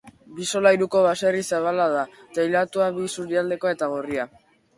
Bi solairuko baserri zabala da, teilatua bi isurialdekoa eta gorria.